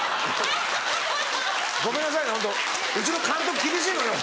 ごめんなさいねホントうちの監督厳しいのよ。